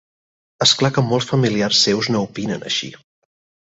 És clar que molts familiars seus no opinen així.